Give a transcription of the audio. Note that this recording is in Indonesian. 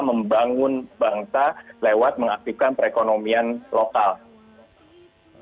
membangun bangsa lewat mengaktifkan perekonomian lokal